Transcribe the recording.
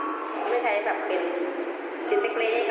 เหลือลูกค้าจากต้องได้ไม่ถูกเหลือไปครับ